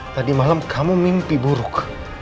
tadi malam kamu mimpi buruk